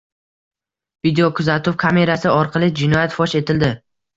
Videokuzatuv kamerasi orqali jinoyat fosh etildi